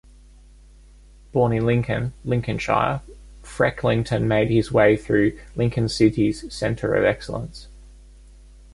Born in Lincoln, Lincolnshire, Frecklington made his way through Lincoln City's Centre of Excellence.